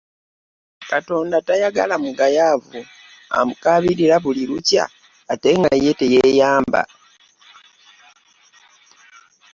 Katonda tayagala mugayaavu. amukaabirira buli nkya ate nga ye teyeyamba.